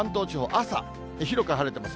朝、広く晴れてます。